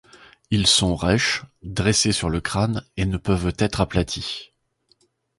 Ils sont rêches, dressés sur le crâne et ne peuvent être aplatis.